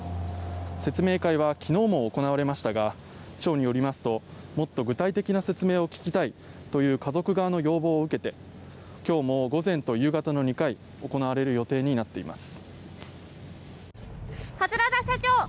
説明会は昨日も行われましたが町によりますともっと具体的な説明を聞きたいという家族側の要望を受けて今日も午前と夕方の２回行われる予定になっています。